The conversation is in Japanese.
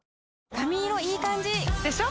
髪色いい感じ！でしょ？